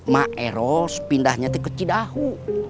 mak eros pindahnya ke cidahu